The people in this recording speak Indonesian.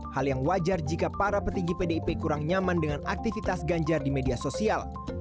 hal yang wajar jika para petinggi pdip kurang nyaman dengan aktivitas ganjar di media sosial